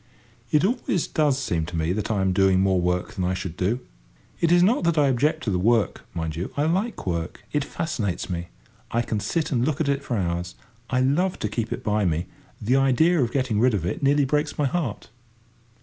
It always does seem to me that I am doing more work than I should do. It is not that I object to the work, mind you; I like work: it fascinates me. I can sit and look at it for hours. I love to keep it by me: the idea of getting rid of it nearly breaks my heart.